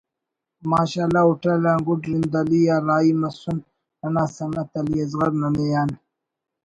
ماشاء اللہ hotel on good رندعلی آ راہی مسن ننا سنگت علی اصغر ننے آن